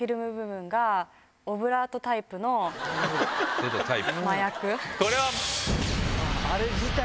出た「タイプ」。